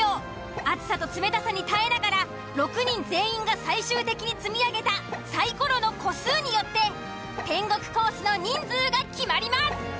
熱さと冷たさに耐えながら６人全員が最終的に積み上げたサイコロの個数によって天国コースの人数が決まります。